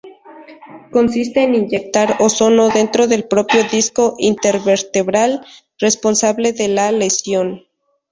Consiste en inyectar ozono dentro del propio disco intervertebral responsable de la lesión.